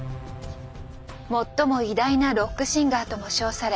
最も偉大なロックシンガーとも称され